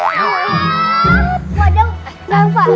sabar ya pak